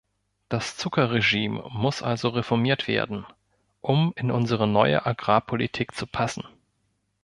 Das Zuckerregime muss also reformiert werden, um in unsere neue Agrarpolitik zu passen.